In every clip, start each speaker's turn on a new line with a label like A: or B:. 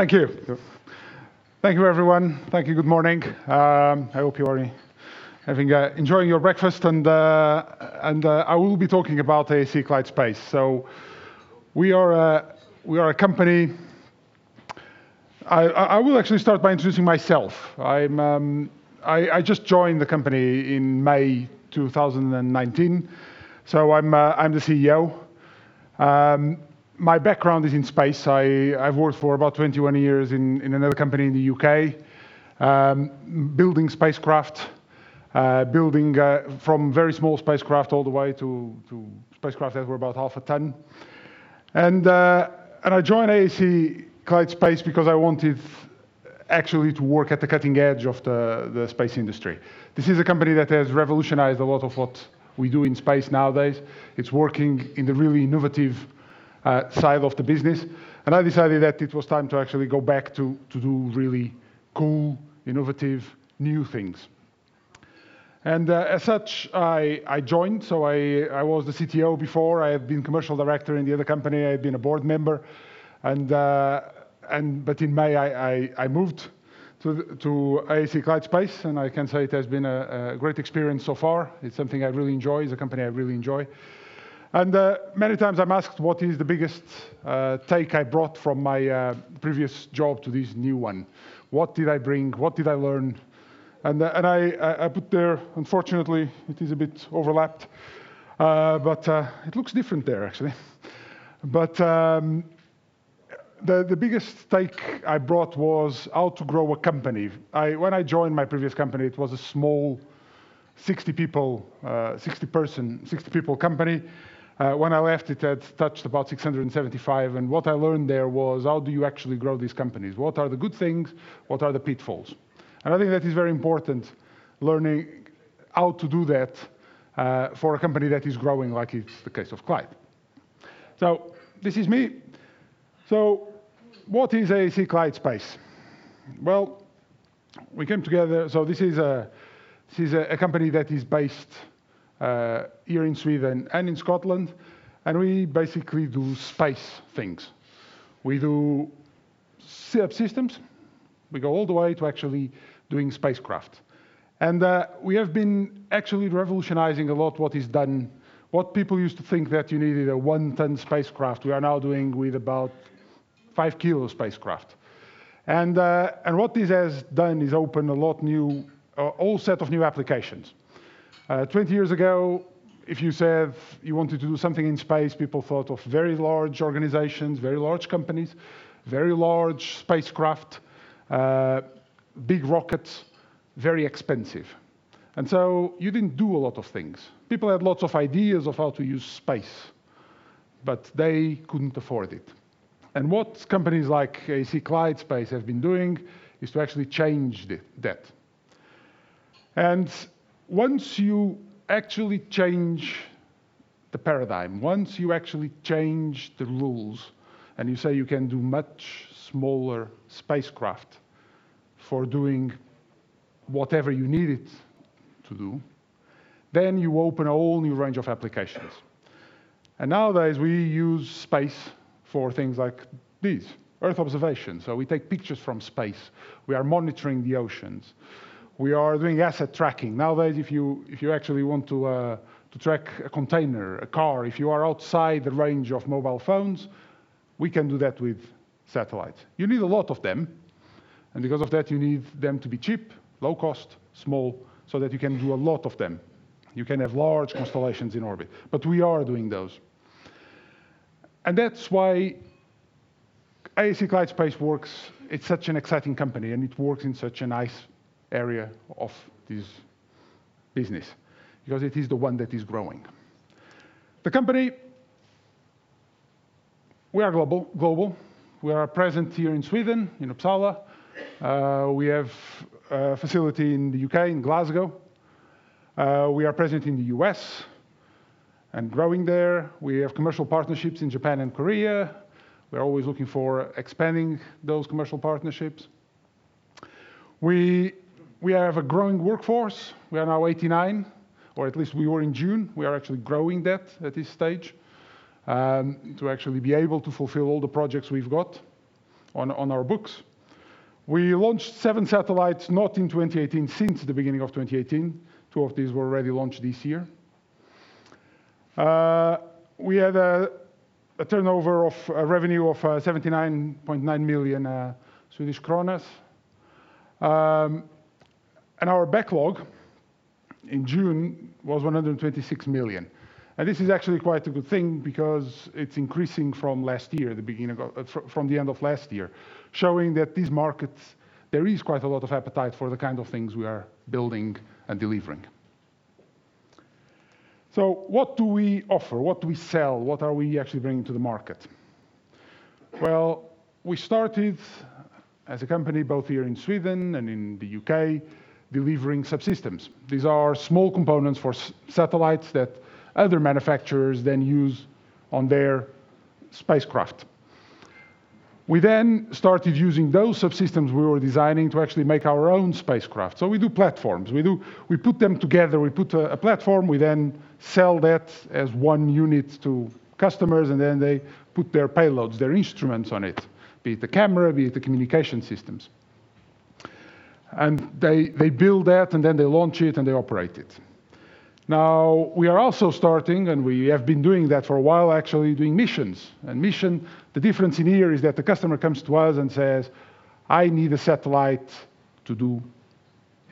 A: Thank you. Thank you, everyone. Thank you. Good morning. I hope you are enjoying your breakfast. I will be talking about AAC Clyde Space. I will actually start by introducing myself. I just joined the company in May 2019, so I'm the CEO. My background is in space. I've worked for about 21 years in another company in the U.K., building spacecraft, building from very small spacecraft all the way to spacecraft that were about half a ton. I joined AAC Clyde Space because I wanted actually to work at the cutting edge of the space industry. This is a company that has revolutionized a lot of what we do in space nowadays. It's working in the really innovative side of the business. I decided that it was time to actually go back to do really cool, innovative, new things. As such, I joined. I was the CTO before. I had been commercial director in the other company. I had been a board member. In May, I moved to AAC Clyde Space, and I can say it has been a great experience so far. It's something I really enjoy. It's a company I really enjoy. Many times I'm asked, what is the biggest take I brought from my previous job to this new one? What did I bring? What did I learn? I put there, unfortunately, it is a bit overlapped. It looks different there, actually. The biggest take I brought was how to grow a company. When I joined my previous company, it was a small, 60 people company. When I left, it had touched about 675. What I learned there was, how do you actually grow these companies? What are the good things? What are the pitfalls? I think that is very important, learning how to do that for a company that is growing like it's the case of Clyde. This is me. What is AAC Clyde Space? We came together. This is a company that is based here in Sweden and in Scotland, we basically do space things. We do subsystems. We go all the way to actually doing spacecraft. We have been actually revolutionizing a lot what is done. What people used to think that you needed a 1-ton spacecraft, we are now doing with about 5 kilo spacecraft. What this has done is opened a whole set of new applications. 20 years ago, if you said you wanted to do something in space, people thought of very large organizations, very large companies, very large spacecraft, big rockets, very expensive. You didn't do a lot of things. People had lots of ideas of how to use space, but they couldn't afford it. What companies like AAC Clyde Space have been doing is to actually change that. Once you actually change the paradigm, once you actually change the rules and you say you can do much smaller spacecraft for doing whatever you need it to do, then you open a whole new range of applications. Nowadays, we use space for things like this, Earth observation. We take pictures from space. We are monitoring the oceans. We are doing asset tracking. Nowadays, if you actually want to track a container, a car, if you are outside the range of mobile phones, we can do that with satellites. You need a lot of them, and because of that, you need them to be cheap, low cost, small, so that you can do a lot of them. You can have large constellations in orbit. We are doing those. That's why AAC Clyde Space, it's such an exciting company, and it works in such a nice area of this business, because it is the one that is growing. The company, we are global. We are present here in Sweden, in Uppsala. We have a facility in the U.K., in Glasgow. We are present in the U.S. and growing there. We have commercial partnerships in Japan and Korea. We're always looking for expanding those commercial partnerships. We have a growing workforce. We are now 89, or at least we were in June. We are actually growing that at this stage to actually be able to fulfill all the projects we've got on our books. We launched seven satellites, not in 2018, since the beginning of 2018. Two of these were already launched this year. We had a turnover of revenue of 79.9 million Swedish kronor. Our backlog in June was 126 million. This is actually quite a good thing because it's increasing from the end of last year, showing that these markets, there is quite a lot of appetite for the kind of things we are building and delivering. What do we offer? What do we sell? What are we actually bringing to the market? Well, we started as a company, both here in Sweden and in the U.K., delivering subsystems. These are small components for satellites that other manufacturers then use on their spacecraft. We then started using those subsystems we were designing to actually make our own spacecraft. We do platforms. We put them together. We put a platform. We sell that as one unit to customers, and then they put their payloads, their instruments on it, be it the camera, be it the communication systems. They build that, and then they launch it, and they operate it. We are also starting, and we have been doing that for a while, actually, doing missions. Mission, the difference in here is that the customer comes to us and says, "I need a satellite to do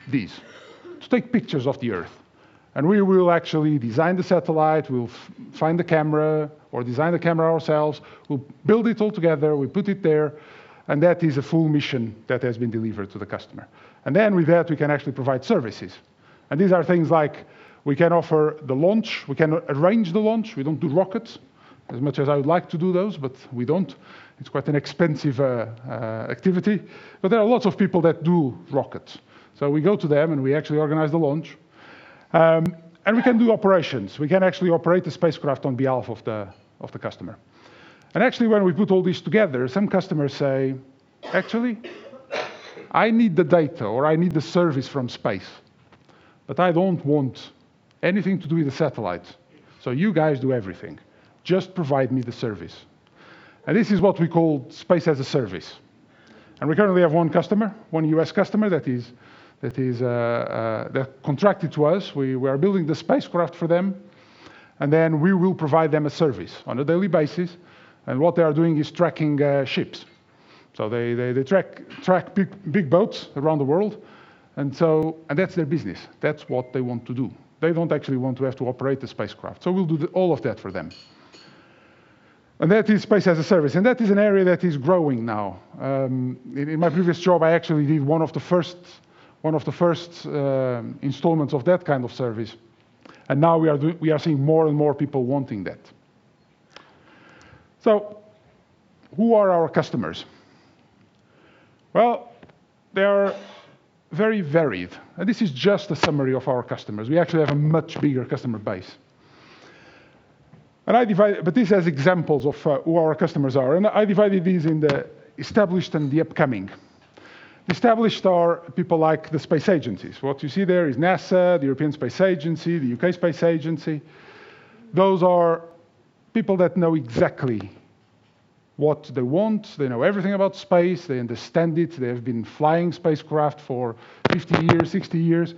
A: this, to take pictures of the Earth." We will actually design the satellite, we'll find the camera or design the camera ourselves. We'll build it all together. We put it there, and that is a full mission that has been delivered to the customer. Then with that, we can actually provide services. These are things like we can offer the launch. We can arrange the launch. We don't do rockets, as much as I would like to do those, but we don't. It's quite an expensive activity. There are lots of people that do rockets. We go to them, and we actually organize the launch. We can do operations. We can actually operate the spacecraft on behalf of the customer. Actually, when we put all these together, some customers say, "Actually, I need the data," or, "I need the service from space, but I don't want anything to do with the satellite. You guys do everything. Just provide me the service." This is what we call space as a service. We currently have one customer, one U.S. customer that contracted to us. We are building the spacecraft for them, and then we will provide them a service on a daily basis. What they are doing is tracking ships. They track big boats around the world, and that's their business. That's what they want to do. They don't actually want to have to operate the spacecraft. We'll do all of that for them. That is space as a service, and that is an area that is growing now. In my previous job, I actually did one of the first installments of that kind of service. Now we are seeing more and more people wanting that. Who are our customers? Well, they are very varied, and this is just a summary of our customers. We actually have a much bigger customer base. This has examples of who our customers are, and I divided these into established and the upcoming. Established are people like the space agencies. What you see there is NASA, the European Space Agency, the U.K. Space Agency. Those are people that know exactly what they want. They know everything about space. They understand it. They have been flying spacecraft for 50 years, 60 years.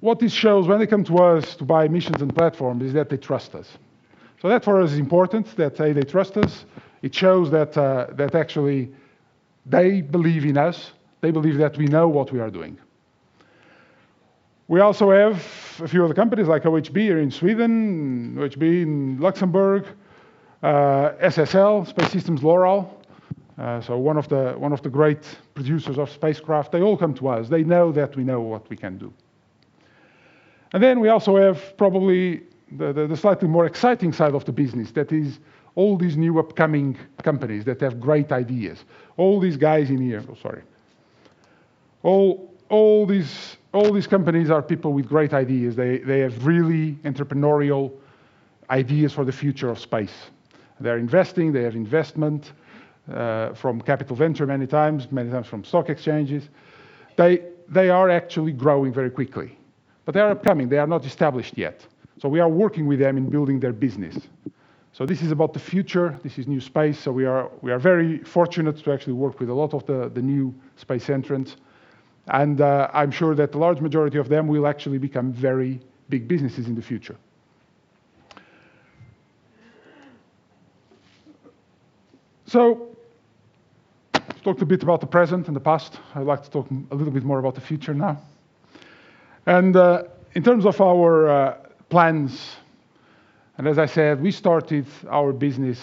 A: What this shows when they come to us to buy missions and platforms is that they trust us. That for us is important that they trust us. It shows that actually they believe in us. They believe that we know what we are doing. We also have a few other companies like OHB here in Sweden, OHB in Luxembourg, SSL, Space Systems/Loral, so one of the great producers of spacecraft. They all come to us. They know that we know what we can do. We also have probably the slightly more exciting side of the business. That is all these new upcoming companies that have great ideas. Oh, sorry. All these companies are people with great ideas. They have really entrepreneurial ideas for the future of space. They're investing. They have investment from venture capital many times, many times from stock exchanges. They are actually growing very quickly. They are upcoming. They are not established yet. We are working with them in building their business. This is about the future. This is New Space. We are very fortunate to actually work with a lot of the New Space entrants, and I'm sure that the large majority of them will actually become very big businesses in the future. I've talked a bit about the present and the past. I'd like to talk a little bit more about the future now. In terms of our plans, as I said, we started our business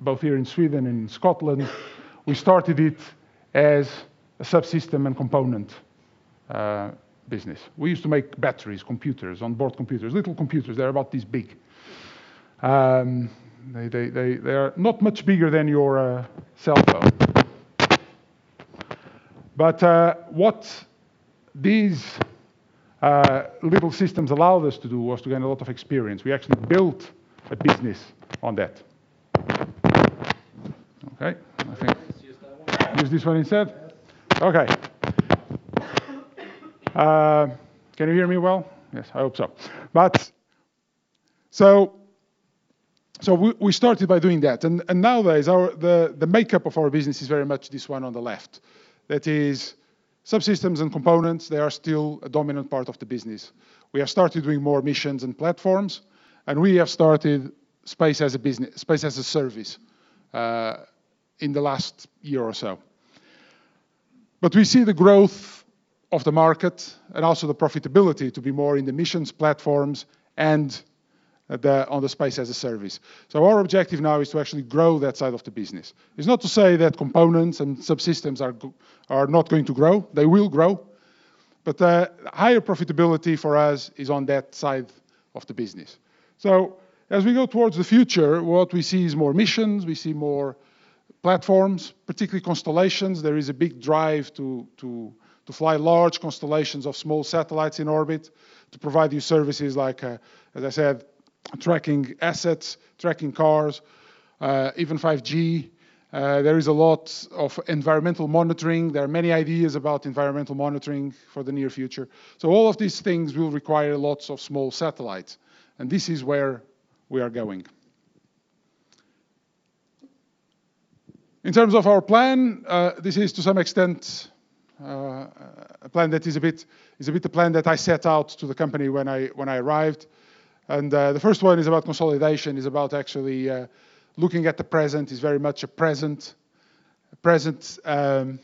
A: both here in Sweden and in Scotland. We started it as a subsystem and component business. We used to make batteries, computers, onboard computers, little computers. They were about this big. They are not much bigger than your cell phone. What these little systems allowed us to do was to gain a lot of experience. We actually built a business on that. Okay, why don't you use that one? Use this one instead? Yes. Okay. Can you hear me well? Yes, I hope so. We started by doing that, and nowadays, the makeup of our business is very much this one on the left. That is subsystems and components, they are still a dominant part of the business. We have started doing more missions and platforms, and we have started space as a service in the last year or so. We see the growth of the market and also the profitability to be more in the missions, platforms, and on the space as a service. Our objective now is to actually grow that side of the business. It's not to say that components and subsystems are not going to grow. They will grow, but the higher profitability for us is on that side of the business. As we go towards the future, what we see is more missions. We see more platforms, particularly constellations. There is a big drive to fly large constellations of small satellites in orbit to provide you services like, as I said, tracking assets, tracking cars, even 5G. There is a lot of environmental monitoring. There are many ideas about environmental monitoring for the near future. All of these things will require lots of small satellites, and this is where we are going. In terms of our plan, this is to some extent a plan that is a bit the plan that I set out to the company when I arrived. The first one is about consolidation, is about actually looking at the present, is very much a present. It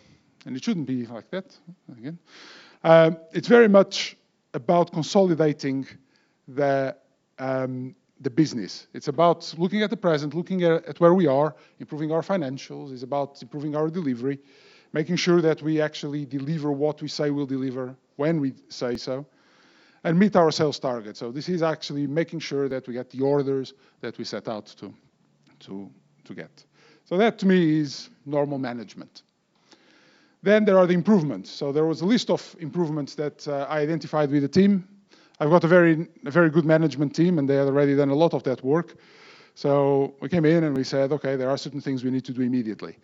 A: shouldn't be like that again. It's very much about consolidating the business. It's about looking at the present, looking at where we are, improving our financials. It's about improving our delivery, making sure that we actually deliver what we say we’ll deliver when we say so, and meet our sales targets. This is actually making sure that we get the orders that we set out to get. That to me is normal management. There are the improvements. There was a list of improvements that I identified with the team. I’ve got a very good management team, and they had already done a lot of that work. We came in, and we said, okay, there are certain things we need to do immediately.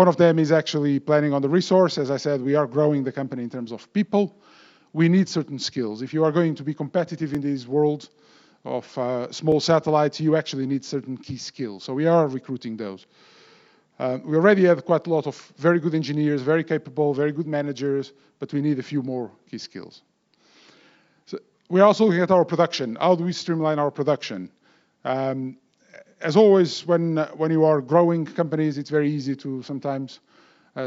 A: One of them is actually planning on the resource. As I said, we are growing the company in terms of people. We need certain skills. If you are going to be competitive in this world of small satellites, you actually need certain key skills. We are recruiting those. We already have quite a lot of very good engineers, very capable, very good managers, but we need a few more key skills. We are also looking at our production. How do we streamline our production? As always, when you are growing companies, it's very easy to sometimes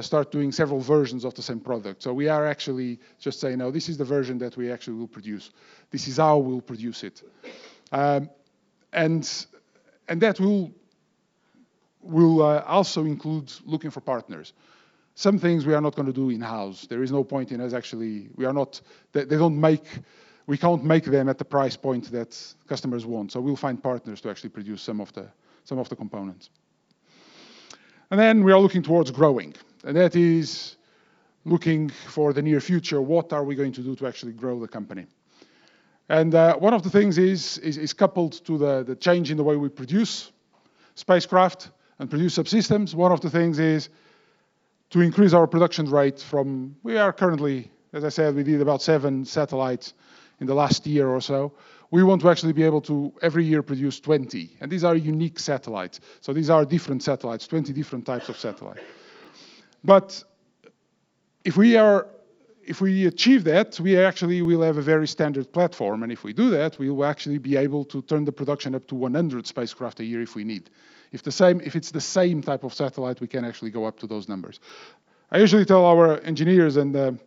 A: start doing several versions of the same product. We are actually just saying, "No, this is the version that we actually will produce. This is how we'll produce it." That will also include looking for partners. Some things we are not going to do in-house. There is no point in us. We can't make them at the price point that customers want. We'll find partners to actually produce some of the components. Then we are looking towards growing, and that is looking for the near future. What are we going to do to actually grow the company? One of the things is coupled to the change in the way we produce spacecraft and produce subsystems. One of the things is to increase our production rate from, we are currently, as I said, we did about seven satellites in the last year or so. We want to actually be able to every year produce 20. These are unique satellites. These are different satellites, 20 different types of satellites. If we achieve that, we actually will have a very standard platform. If we do that, we will actually be able to turn the production up to 100 spacecraft a year if we need. If it's the same type of satellite, we can actually go up to those numbers. I usually tell our engineers, and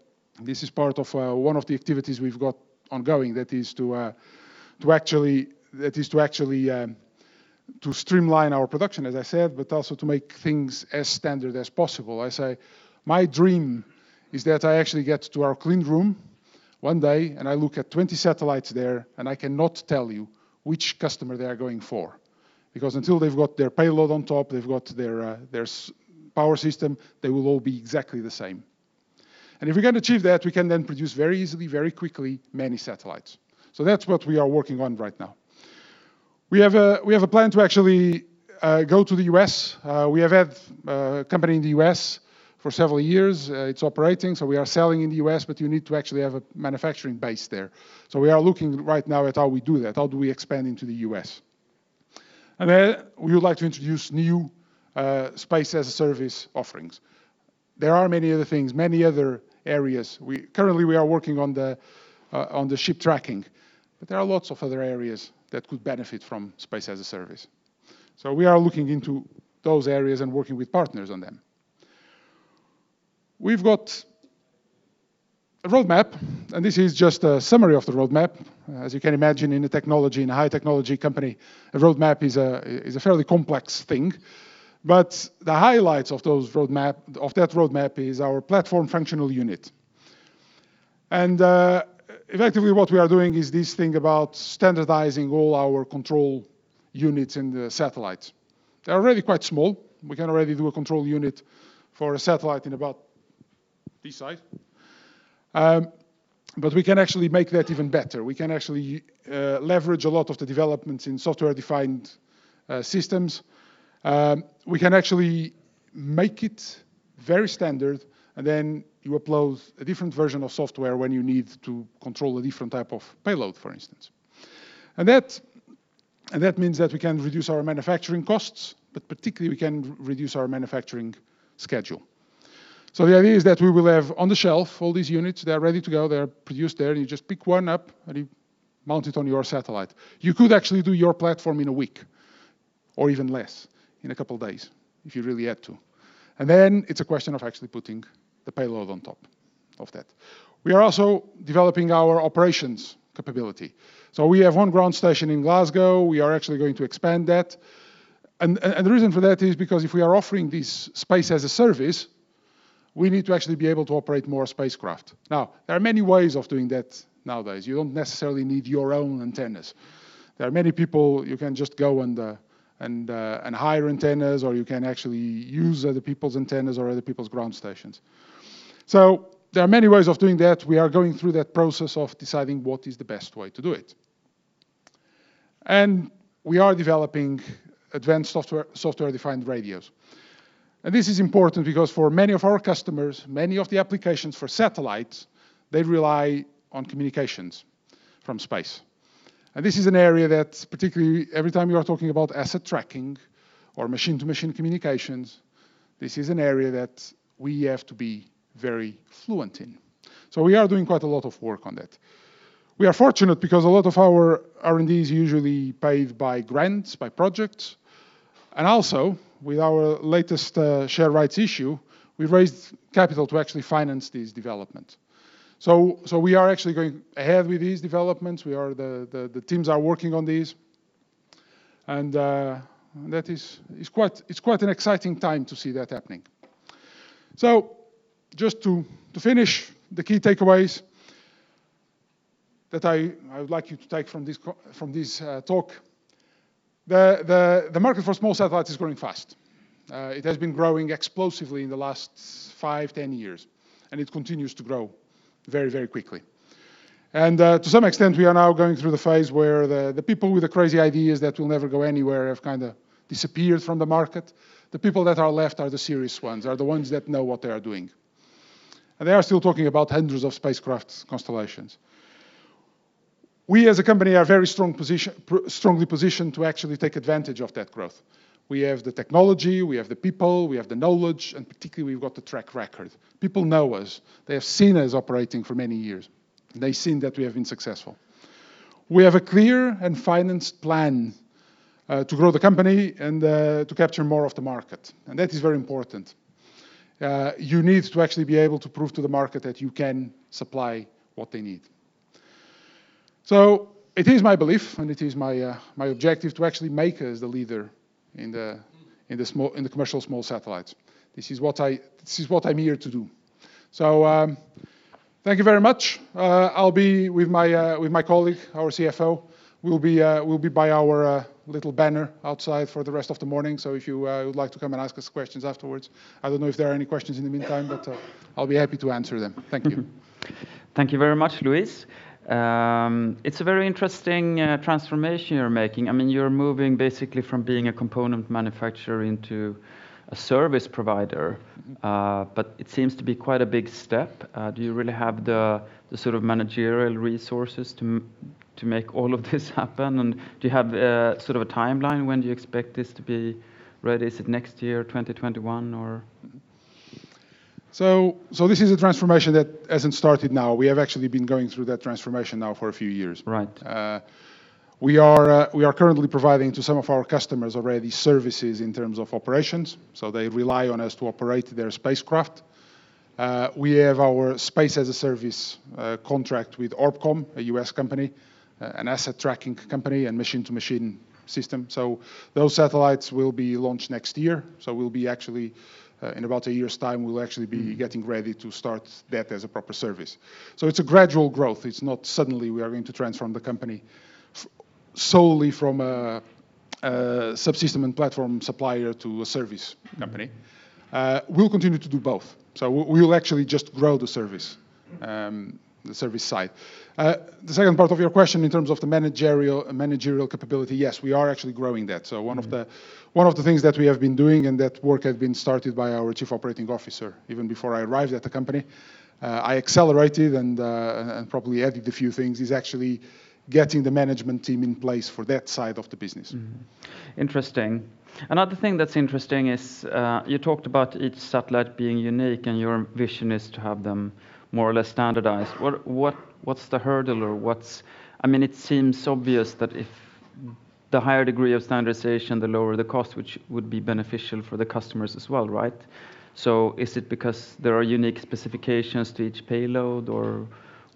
A: this is part of one of the activities we've got ongoing, that is to actually streamline our production, as I said, but also to make things as standard as possible. I say my dream is that I actually get to our clean room one day, and I look at 20 satellites there, and I cannot tell you which customer they are going for. Until they've got their payload on top, they've got their power system, they will all be exactly the same. If we can achieve that, we can then produce very easily, very quickly, many satellites. That's what we are working on right now. We have a plan to actually go to the U.S. We have had a company in the U.S. for several years. It's operating, so we are selling in the U.S., but you need to actually have a manufacturing base there. We are looking right now at how we do that. How do we expand into the U.S.? We would like to introduce new space-as-a-service offerings. There are many other things, many other areas. Currently, we are working on the ship tracking, but there are lots of other areas that could benefit from space as a service. We are looking into those areas and working with partners on them. We've got a roadmap, and this is just a summary of the roadmap. As you can imagine, in a high technology company, a roadmap is a fairly complex thing. The highlights of that roadmap is our platform functional unit. Effectively what we are doing is this thing about standardizing all our control units in the satellites. They're already quite small. We can already do a control unit for a satellite in about this size. We can actually make that even better. We can actually leverage a lot of the developments in software-defined systems. We can actually make it very standard, and then you upload a different version of software when you need to control a different type of payload, for instance. That means that we can reduce our manufacturing costs, but particularly we can reduce our manufacturing schedule. The idea is that we will have on the shelf all these units, they're ready to go, they're produced there, and you just pick one up, and you mount it on your satellite. You could actually do your platform in one week or even less, in a couple of days if you really had to. Then it's a question of actually putting the payload on top of that. We are also developing our operations capability. We have one ground station in Glasgow. We are actually going to expand that. The reason for that is because if we are offering this space as a service, we need to actually be able to operate more spacecraft. Now, there are many ways of doing that nowadays. You don't necessarily need your own antennas. There are many people you can just go and hire antennas, or you can actually use other people's antennas or other people's ground stations. There are many ways of doing that. We are going through that process of deciding what is the best way to do it. We are developing advanced software-defined radios. This is important because for many of our customers, many of the applications for satellites, they rely on communications from space. This is an area that's particularly every time you are talking about asset tracking or machine-to-machine communications, this is an area that we have to be very fluent in. We are doing quite a lot of work on that. We are fortunate because a lot of our R&D is usually paid by grants, by projects, and also with our latest share rights issue, we've raised capital to actually finance this development. We are actually going ahead with these developments. The teams are working on these, and it's quite an exciting time to see that happening. Just to finish the key takeaways that I would like you to take from this talk. The market for small satellites is growing fast. It has been growing explosively in the last five, 10 years, and it continues to grow very quickly. To some extent, we are now going through the phase where the people with the crazy ideas that will never go anywhere have kind of disappeared from the market. The people that are left are the serious ones, are the ones that know what they are doing. They are still talking about hundreds of spacecraft constellations. We as a company are very strongly positioned to actually take advantage of that growth. We have the technology, we have the people, we have the knowledge, and particularly we've got the track record. People know us. They have seen us operating for many years, and they've seen that we have been successful. We have a clear and financed plan to grow the company and to capture more of the market. That is very important. You need to actually be able to prove to the market that you can supply what they need. It is my belief and it is my objective to actually make us the leader in the commercial small satellites. This is what I'm here to do. Thank you very much. I'll be with my colleague, our CFO. We'll be by our little banner outside for the rest of the morning if you would like to come and ask us questions afterwards. I don't know if there are any questions in the meantime. I'll be happy to answer them. Thank you.
B: Thank you very much, Luis. It's a very interesting transformation you're making. You're moving basically from being a component manufacturer into a service provider. It seems to be quite a big step. Do you really have the sort of managerial resources to make all of this happen? Do you have sort of a timeline? When do you expect this to be ready? Is it next year, 2021, or?
A: This is a transformation that hasn't started now. We have actually been going through that transformation now for a few years.
B: Right.
A: We are currently providing to some of our customers already services in terms of operations, so they rely on us to operate their spacecraft. We have our space as a service contract with Orbcomm, a U.S. company, an asset tracking company, and machine-to-machine system. Those satellites will be launched next year, so in about a year's time, we'll actually be getting ready to start that as a proper service. It's a gradual growth. It's not suddenly we are going to transform the company solely from a subsystem and platform supplier to a service company. We'll continue to do both. We'll actually just grow the service side. The second part of your question in terms of the managerial capability, yes, we are actually growing that. One of the things that we have been doing and that work had been started by our Chief Operating Officer even before I arrived at the company, I accelerated and probably added a few things, is actually getting the management team in place for that side of the business.
B: Interesting. Another thing that's interesting is, you talked about each satellite being unique, and your vision is to have them more or less standardized. What's the hurdle? It seems obvious that if the higher degree of standardization, the lower the cost, which would be beneficial for the customers as well, right? Is it because there are unique specifications to each payload, or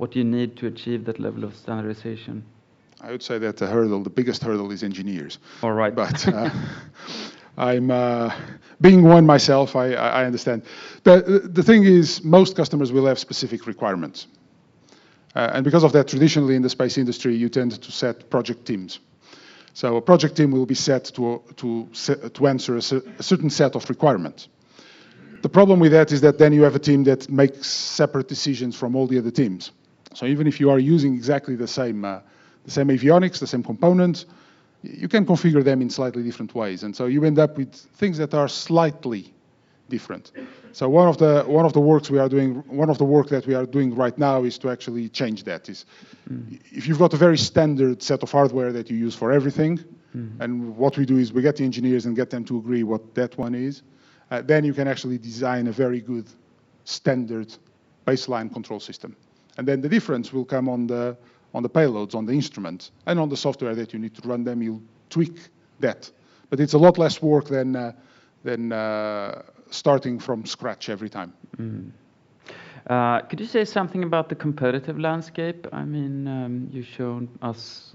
B: what do you need to achieve that level of standardization?
A: I would say that the biggest hurdle is engineers.
B: All right.
A: Being one myself, I understand. The thing is, most customers will have specific requirements. Because of that, traditionally in the space industry, you tend to set project teams. A project team will be set to answer a certain set of requirements. The problem with that is that then you have a team that makes separate decisions from all the other teams. Even if you are using exactly the same avionics, the same components, you can configure them in slightly different ways, and so you end up with things that are slightly different. One of the works that we are doing right now is to actually change that, is if you've got a very standard set of hardware that you use for everything. What we do is we get the engineers and get them to agree what that one is. You can actually design a very good standard baseline control system. The difference will come on the payloads, on the instruments, and on the software that you need to run them. You'll tweak that. It's a lot less work than starting from scratch every time.
B: Could you say something about the competitive landscape? You've shown us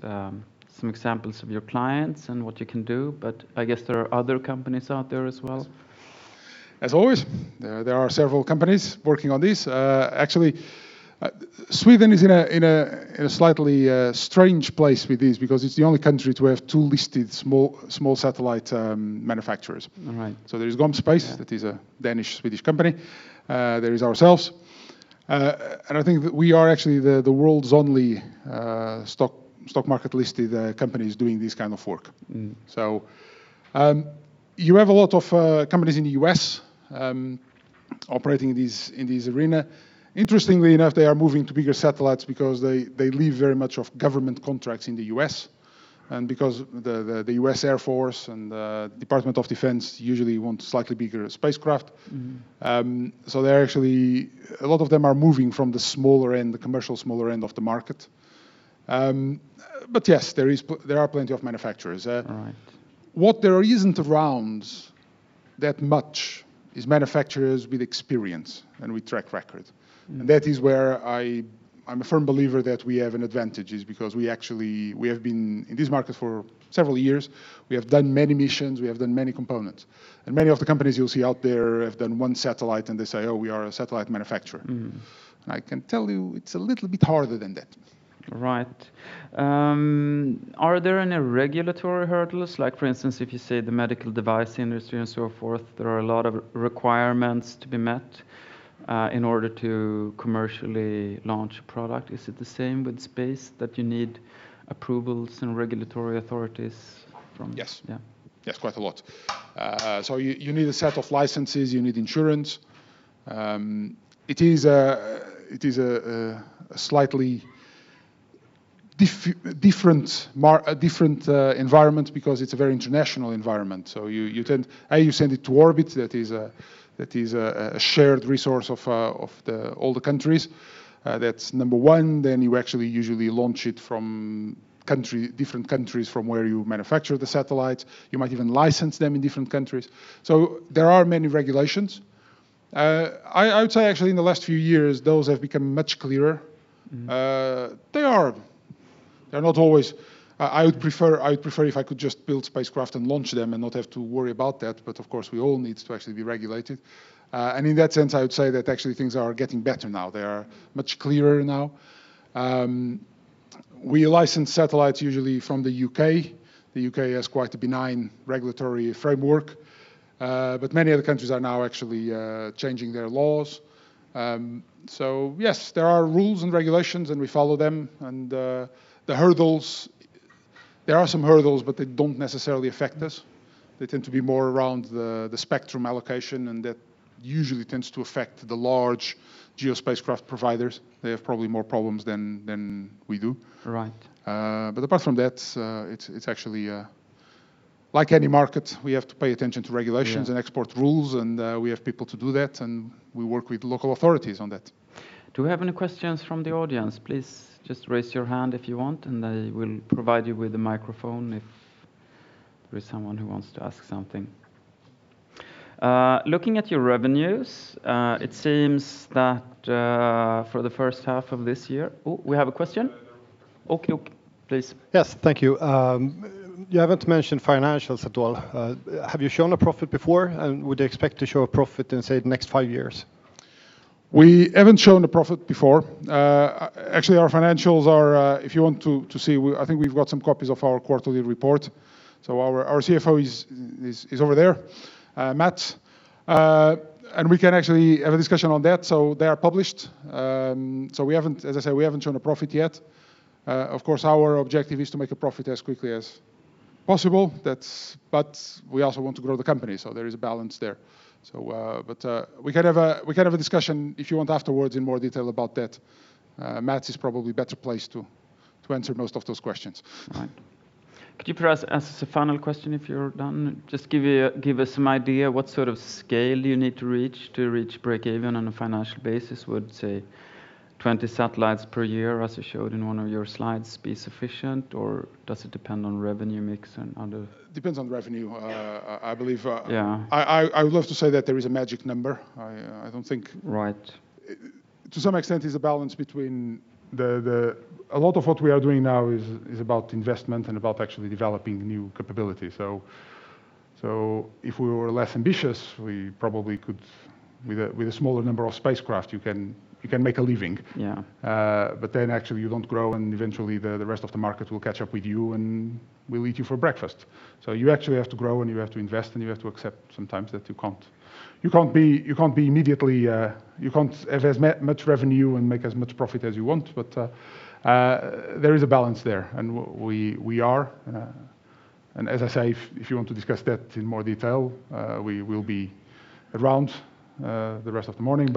B: some examples of your clients and what you can do, but I guess there are other companies out there as well.
A: As always, there are several companies working on this. Actually, Sweden is in a slightly strange place with this because it's the only country to have two listed small satellite manufacturers.
B: All right.
A: There's GomSpace. That is a Danish-Swedish company. There is ourselves. I think that we are actually the world's only stock market-listed companies doing this kind of work. You have a lot of companies in the U.S. operating in this arena. Interestingly enough, they are moving to bigger satellites because they live very much off government contracts in the U.S., and because the U.S. Air Force and the Department of Defense usually want a slightly bigger spacecraft. Actually, a lot of them are moving from the commercial smaller end of the market. Yes, there are plenty of manufacturers.
B: Right.
A: What there isn't around that much is manufacturers with experience and with track record. That is where I'm a firm believer that we have an advantage, is because we have been in this market for several years. We have done many missions. We have done many components. Many of the companies you'll see out there have done one satellite, and they say, "Oh, we are a satellite manufacturer. I can tell you it's a little bit harder than that.
B: Right. Are there any regulatory hurdles? Like for instance, if you say the medical device industry and so forth, there are a lot of requirements to be met in order to commercially launch a product. Is it the same with space, that you need approvals and regulatory authorities from?
A: Yes.
B: Yeah.
A: Yes, quite a lot. You need a set of licenses. You need insurance. It is a slightly different environment because it's a very international environment. You send it to orbit. That is a shared resource of all the countries. That's number one. You actually usually launch it from different countries from where you manufacture the satellites. You might even license them in different countries. There are many regulations. I would say, actually, in the last few years, those have become much clearer. They're not always. I would prefer if I could just build spacecraft and launch them and not have to worry about that, but of course, we all need to actually be regulated. In that sense, I would say that actually things are getting better now. They are much clearer now. We license satellites usually from the U.K. The U.K. has quite a benign regulatory framework. Many other countries are now actually changing their laws. Yes, there are rules and regulations, and we follow them. There are some hurdles, but they don't necessarily affect us. They tend to be more around the spectrum allocation, and that usually tends to affect the large GEO spacecraft providers. They have probably more problems than we do.
B: Right.
A: Apart from that, it's actually like any market. We have to pay attention to regulations.
B: Yeah
A: Export rules, and we have people to do that, and we work with local authorities on that.
B: Do we have any questions from the audience? Please just raise your hand if you want, and I will provide you with a microphone if there is someone who wants to ask something. Looking at your revenues, it seems that for the first half of this year, Oh, we have a question.
C: Yeah. There was a question.
B: Okay. Please.
C: Yes. Thank you. You haven't mentioned financials at all. Have you shown a profit before? Would you expect to show a profit in, say, the next five years?
A: We haven't shown a profit before. Actually, our financials are, if you want to see, I think we've got some copies of our quarterly report. Our CFO is over there, Mats. We can actually have a discussion on that. They are published. As I said, we haven't shown a profit yet. Of course, our objective is to make a profit as quickly as possible. We also want to grow the company, so there is a balance there. We can have a discussion if you want afterwards in more detail about that. Mats is probably better placed to answer most of those questions.
B: Right. Could you perhaps answer a final question if you're done? Just give us some idea what sort of scale you need to reach to reach break even on a financial basis. Would, say, 20 satellites per year, as you showed in one of your slides, be sufficient, or does it depend on revenue mix and-
A: Depends on revenue.
B: Yeah.
A: I believe-
B: Yeah
A: I would love to say that there is a magic number.
B: Right
A: To some extent it's a balance. A lot of what we are doing now is about investment and about actually developing new capability. If we were less ambitious, we probably could, with a smaller number of spacecraft, you can make a living.
B: Yeah.
A: Actually you don't grow, and eventually the rest of the market will catch up with you and will eat you for breakfast. You actually have to grow, and you have to invest, and you have to accept sometimes that you can't have as much revenue and make as much profit as you want. There is a balance there. As I say, if you want to discuss that in more detail, we will be around the rest of the morning.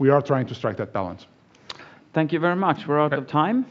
A: We are trying to strike that balance.
B: Thank you very much. We're out of time.